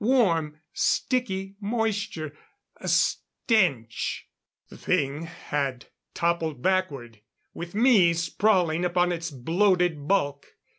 Warm, sticky moisture ... a stench ... The thing had toppled backward, with me sprawling upon its bloated bulk.